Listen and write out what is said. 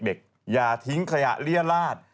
เด็กอย่าทิ้งขยะเรียราศ